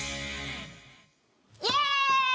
イエーイ！